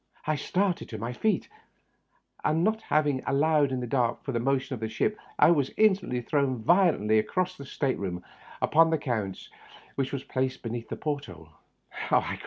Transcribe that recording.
I started to my feet, and not having Allowed in the dark for the motion of the ship, I was instantly thrown violently acrass thd state room upon the couch which was placed Digitized byVjOOQlC 36 TEE UPPER BERTH. beneath the port hole.